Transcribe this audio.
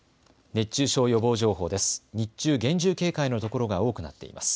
熱中症予防情報です。